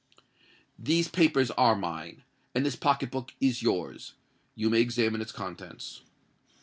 "These papers are mine; and this pocket book is yours. You may examine its contents."